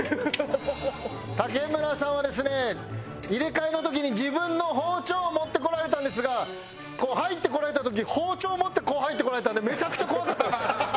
竹村さんはですね入れ替えの時に自分の包丁を持ってこられたんですが入ってこられた時包丁持ってこう入ってこられたんでめちゃくちゃ怖かったです。